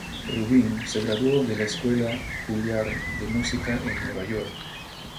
Rubin se graduó de la escuela Juilliard de música en Nueva York.